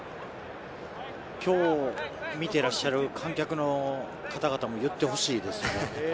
今日見ていらっしゃる観客の方々も言ってほしいですよね。